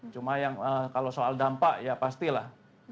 cuma kalau soal dampak ya pastilah